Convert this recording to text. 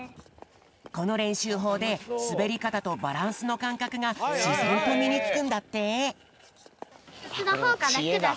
このれんしゅうほうですべりかたとバランスのかんかくがしぜんとみにつくんだって！